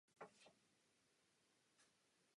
Musíme si však přestat klást podmínky.